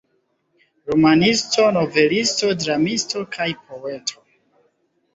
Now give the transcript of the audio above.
Romanisto, novelisto, dramisto kaj poeto.